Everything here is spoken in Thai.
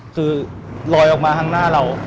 คือลอยออกมาข้างหน้าเรา